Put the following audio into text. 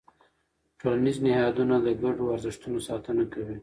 ټولنیز نهادونه د ګډو ارزښتونو ساتنه کوي.